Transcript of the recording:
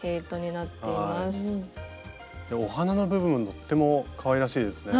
お花の部分とってもかわいらしいですね。